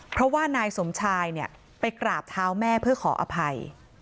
เพราะว่านายสมชายเนี่ยไปกราบเท้าแม่เพื่อขออภัย